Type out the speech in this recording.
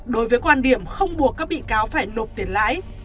đối với quan điểm không buộc các bị cáo phải nộp tiền lãi